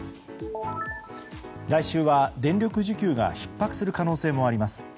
来週は電力需給がひっ迫する可能性もあります。